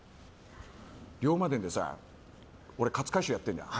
「龍馬伝」でさ俺、勝海舟やってるんだよ。